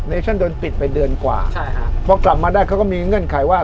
ชั่นโดนปิดไปเดือนกว่าใช่ฮะพอกลับมาได้เขาก็มีเงื่อนไขว่า